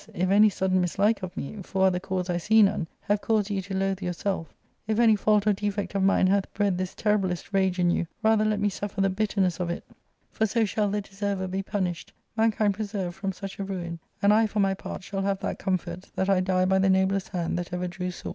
if any sudden mislike of me — for other cause I see none — ^have caused you to loath yourself; if any fault or defect of mine hath bred this terriblest rage in you, rather let me suffer the bitterness of it, for so shall the deserver be punished, mankind preserved from such a ruin, *and I, for my part, shall have that comfort that I die by the noblest hand that ever drew sword."